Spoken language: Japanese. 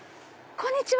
こんにちは。